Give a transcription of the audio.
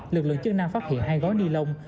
lực lượng chức năng phát hiện hai gói ni lông